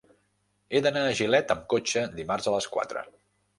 He d'anar a Gilet amb cotxe dimarts a les quatre.